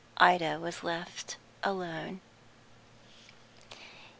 Ida was left alone.